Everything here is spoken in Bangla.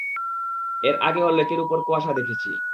এর আগেও লেকের উপরে কুয়াশা দেখেছি!